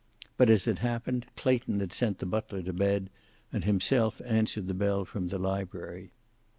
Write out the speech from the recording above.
But, as it happened, Clayton had sent the butler to bed, and himself answered the bell from the library.